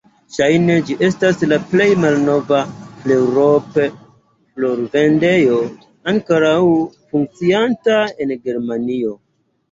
Ŝajne ĝi estas la plej malnova "Fleurop"-florvendejo ankoraŭ funkcianta en Germanio.